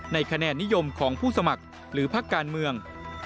คะแนนนิยมของผู้สมัครหรือพักการเมือง